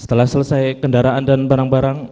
setelah selesai kendaraan dan barang barang